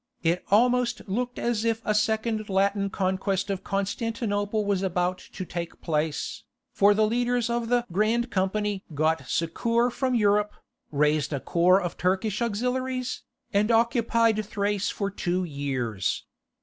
It almost looked as if a second Latin Conquest of Constantinople was about to take place, for the leaders of the "Grand Company" got succour from Europe, raised a corps of Turkish auxiliaries, and occupied Thrace for two years.